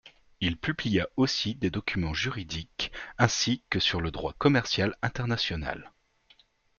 Il publia aussi des documents juridiques ainsi que sur le droit commercial international.